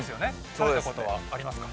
食べたことはありますか？